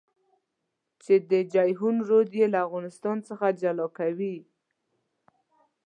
چې د جېحون رود يې له افغانستان څخه جلا کوي.